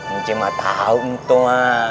encing mah tau encing mah